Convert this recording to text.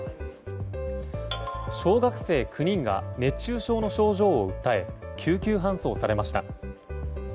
小学生９人が熱中症の症状を訴え救急搬送されました。